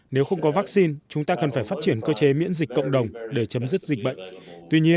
nếu không có vắc xin chúng ta cần phải phát triển cơ chế miễn dịch cộng đồng để chấm dứt dịch bệnh